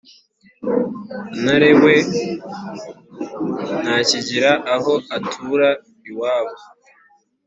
Ntare we ntakigira aho atura iwabo